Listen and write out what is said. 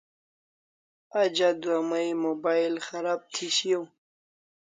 Aj adua may mobile kharab thi shiaw